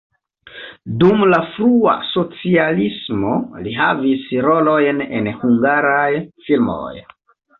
Dum la frua socialismo li havis rolojn en hungaraj filmoj.